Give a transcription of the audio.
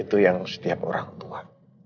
itu yang setiap orang tua